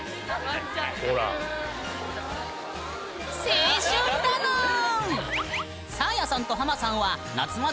青春だぬん！ね？